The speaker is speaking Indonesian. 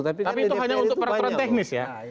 tapi itu hanya untuk peraturan teknis ya